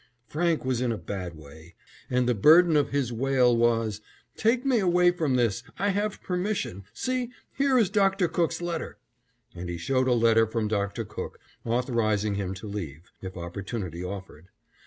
Franke was in a bad way, and the burden of his wail was, "Take me away from this, I have permission, see, here is Dr. Cook's letter," and he showed a letter from Dr. Cook, authorizing him to leave, if opportunity offered.